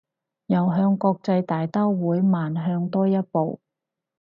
又向國際大刀會邁向多一步